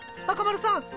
赤丸さん！